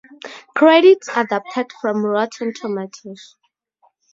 Credits adapted from Rotten Tomatoes.